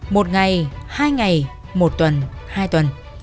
một ngày hai ngày một tuần hai tuần